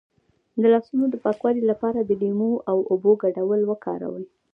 د لاسونو د پاکوالي لپاره د لیمو او اوبو ګډول وکاروئ